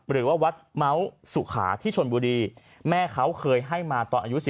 หรือว่าวัดเมาส์สุขาที่ชนบุรีแม่เขาเคยให้มาตอนอายุ๑๙